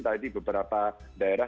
tapi di beberapa daerah